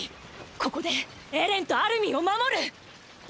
ここでエレンとアルミンを守る。